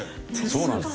そうなんです。